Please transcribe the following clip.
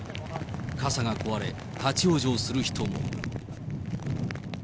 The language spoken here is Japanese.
傘が壊れ、立往生する人も。